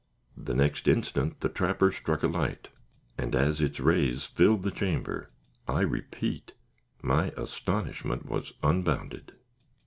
The next instant the trapper struck a light; and as its rays filled the chamber, I repeat, my astonishment was unbounded.